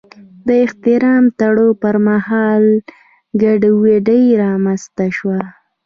د احرام تړلو پر مهال ګډوډي رامنځته شوه.